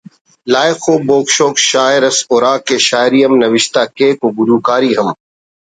لائخ ءُ بوگ شوگ شاعر اس ہرا کہ شاعری ہم نوشتہ کیک و گلوکاری ہم